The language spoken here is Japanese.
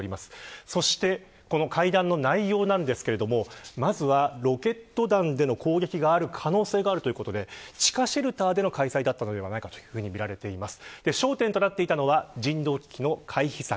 この会談の内容なんですけれどもまずはロケット弾での攻撃がある可能性があるということで地下シェルターでの開催だったのではないかとみられています。